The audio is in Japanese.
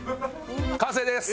完成です！